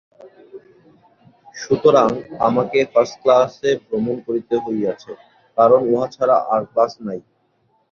সুতরাং আমাকে ফার্ষ্ট ক্লাসে ভ্রমণ করিতে হইয়াছে, কারণ উহা ছাড়া আর ক্লাস নাই।